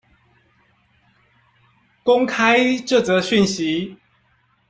公開這則訊息